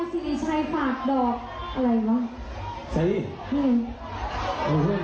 เราร่องรับว่าเขายินดีมาก